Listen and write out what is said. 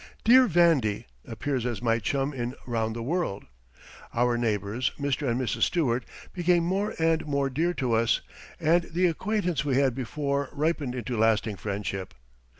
"Dear Vandy" appears as my chum in "Round the World." Our neighbors, Mr. and Mrs. Stewart, became more and more dear to us, and the acquaintance we had before ripened into lasting friendship.